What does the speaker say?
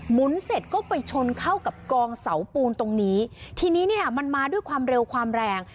เสร็จก็ไปชนเข้ากับกองเสาปูนตรงนี้ทีนี้เนี่ยมันมาด้วยความเร็วความแรง